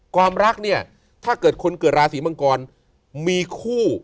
ความรักเนี่ยถ้าเกิดคนเกิดราศีมังกรมีคู่